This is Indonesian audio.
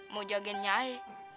mau jagain nyai